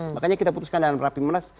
makanya kita putuskan dalam rapimnas